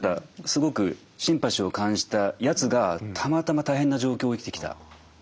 すごくシンパシーを感じたやつがたまたま大変な状況を生きてきた。